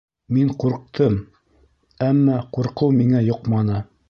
Мин ҡурҡтым, әммә... ҡурҡыу миңә йоҡманы.